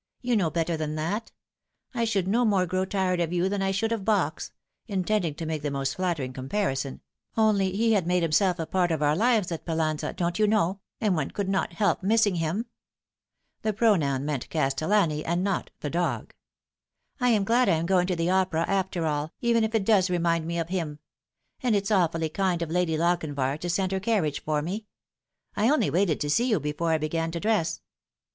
You know better than that. I should no more grow tired of you than I should of Box," in tending to make the most flattering comparison ;" only he had made himself a part of our lives at Pallanza, don't you know, nnd one could not help missing him." (The pronoun meant Castellani, and not the dog.) " I am glad I am going to the opera after all, even if it does remind me of him ; and it's awfully kind of Lady Lochinvar to send her carriage for me. I only waited to see you before I began to dress."